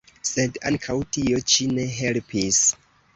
Sed ankaŭ tio ĉi ne helpis.